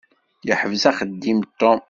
Yeḥbes axeddim Tom.